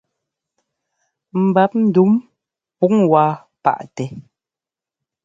Ḿbap ndǔm pǔŋ wá paʼtɛ.